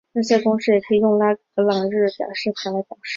这些公式也可以用拉格朗日表示法来表示。